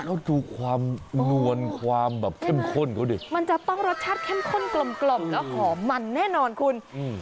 แล้วดูความนวลความแบบเข้มข้นเขาดิมันจะต้องรสชาติเข้มข้นกลมกล่อมแล้วหอมมันแน่นอนคุณอืม